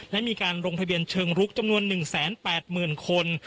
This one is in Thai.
และมีการลงทะเบียนเชิงรุกจำนวน๑๘๐๐๐คน